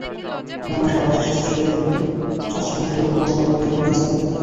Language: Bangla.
কেননা, সারা দেশে স্বাস্থ্যসেবা দিতে গিয়ে স্বাস্থ্য মন্ত্রণালয়কে এমনিতেই চাপে থাকতে হয়।